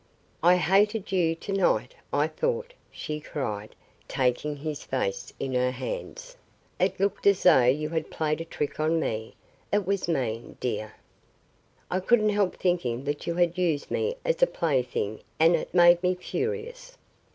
"I hated you to night, I thought," she cried, taking his face in her hands. "It looked as though you had played a trick on me. It was mean, dear. I couldn't help thinking that you had used me as a plaything and it it made me furious.